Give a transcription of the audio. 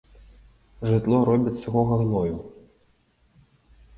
Жытло робяць з сухога гною.